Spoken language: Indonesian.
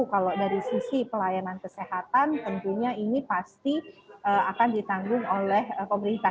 kalau dari sisi pelayanan kesehatan tentunya ini pasti akan ditanggung oleh pemerintah